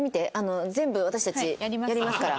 全部私たちやりますから正解を。